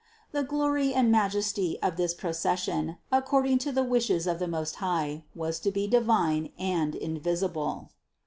The glory and majesty of this procession, according to the wishes of the Most High, was to be divine and invisible.